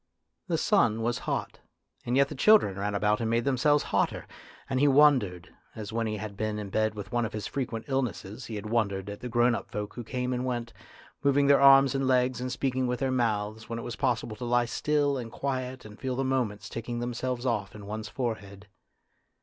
The sun was hot, and yet the children ran about and made themselves hotter, and he wondered, as when he had been in bed with one of his frequent illnesses he had wondered at the grown up folk who came and went, moving their arms and legs and speaking with their mouths, when it was possible to lie still and quiet and feel the moments ticking themselves off in one's forehead.